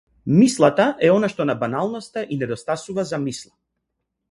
Мислата е она што на баналноста и недостасува за мисла.